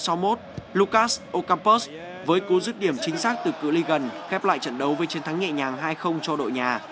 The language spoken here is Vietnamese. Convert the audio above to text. phút ba mươi một lucas ocampos với cú giúp điểm chính xác từ cửa lì gần khép lại trận đấu với chiến thắng nhẹ nhàng hai cho đội nhà